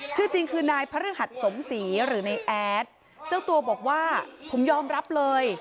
ชื่อจริงคือนายพระฤหัสสมศรีหรือในแอดเจ้าตัวบอกว่าผมยอมรับเลย